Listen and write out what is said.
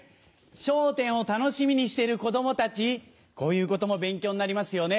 『笑点』を楽しみにしてる子供たちこういうことも勉強になりますよね。